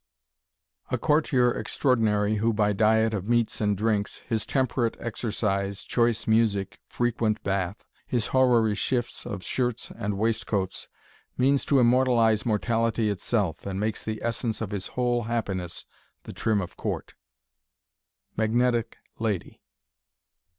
A courtier extraordinary, who by diet Of meats and drinks, his temperate exercise, Choice music, frequent bath, his horary shifts Of shirts and waistcoats, means to immortalize Mortality itself, and makes the essence Of his whole happiness the trim of court. MAGNETIC LADY.